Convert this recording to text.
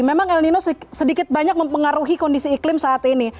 memang el nino sedikit banyak mempengaruhi kondisi iklim saat ini